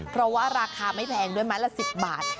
เพราะว่าราคาไม่แพงด้วยไม้ละ๑๐บาท